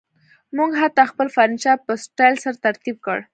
موږ حتی خپل فرنیچر په سټایل سره ترتیب کړ